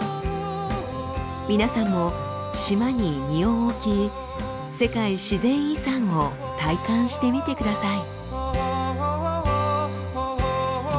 皆さんも島に身を置き世界自然遺産を体感してみてください。